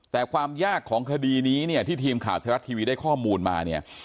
แต่ความยากของคดีนี้เนี่ยที่ทีมข่าวไทยรัฐทีวีได้ข้อมูลมาเนี่ย